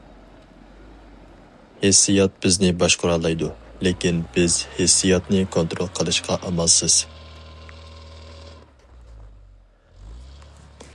ھېسسىيات بىزنى باشقۇرالايدۇ، لېكىن بىز ھېسسىياتنى كونترول قىلىشقا ئامالسىز.